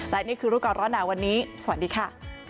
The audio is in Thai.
และนี่คือรู้ก่อนร้อนหนาวันนี้สวัสดีค่ะ